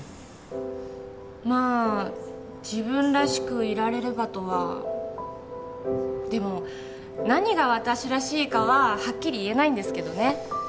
まあ自分らしくいられればとはでも何が私らしいかははっきり言えないんですけどね